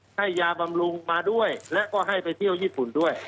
ให้ยาบำรุงมาด้วยและก็ให้ไปเที่ยวญี่ปุ่นด้วย